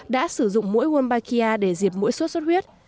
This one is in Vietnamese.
đã sử dụng mũi bakia để diệt mũi sốt xuất huyết